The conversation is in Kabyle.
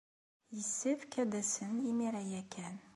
Yessefk ad d-asen imir-a ya kan!